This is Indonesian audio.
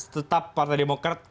tetap partai demokrat